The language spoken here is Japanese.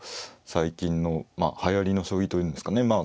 最近のはやりの将棋というんですかね